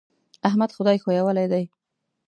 احمد خدای ښويولی دی.